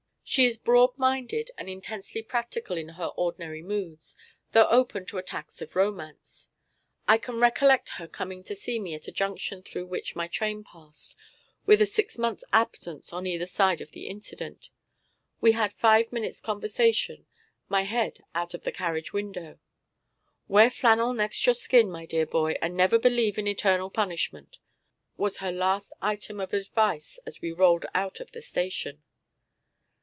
She is broad minded and intensely practical in her ordinary moods, though open to attacks of romance. I can recollect her coming to see me at a junction through which my train passed, with a six months' absence on either side of the incident. We had five minutes' conversation, my head out of the carriage window. "Wear flannel next your skin, my dear boy, and never believe in eternal punishment," was her last item of advice as we rolled out of the station.